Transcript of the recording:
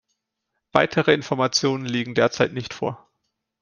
Weitere Informationen liegen derzeit nicht vor.